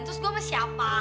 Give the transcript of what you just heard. terus gue sama siapa